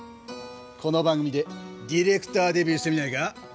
この番組でディレクターデビューしてみないか？